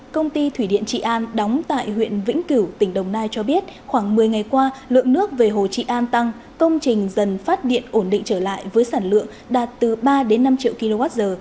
công ty thủy điện trị an đóng tại huyện vĩnh cửu tỉnh đồng nai cho biết khoảng một mươi ngày qua lượng nước về hồ trị an tăng công trình dần phát điện ổn định trở lại với sản lượng đạt từ ba đến năm triệu kwh